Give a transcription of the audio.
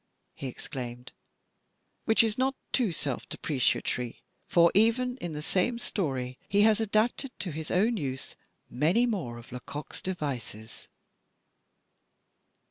he exclaimed, which is not too self depreciatory, for even in the same story he has adapted to his own use many more of Lecoq's devices.